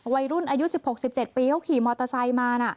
วัยรุ่นอายุ๑๖๑๗ปีเขาขี่มอเตอร์ไซส์มา